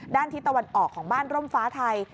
ทิศตะวันออกของบ้านร่มฟ้าไทย